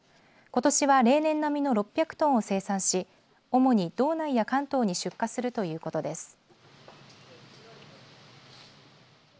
ことしは例年並みの６００トンを生産し主に道内や関東に出荷するということです。